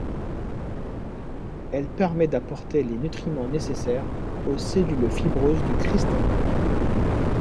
Elle permet d'apporter les nutriments nécessaires aux cellules fibreuses du cristallin.